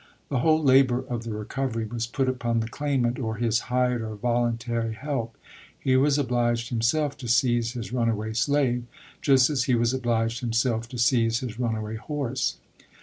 The whole labor of the recov ery was put upon the claimant or his hired or vol untary help ; he was obliged himself to seize his runaway slave, just as he was obliged himself to seize his runaway horse.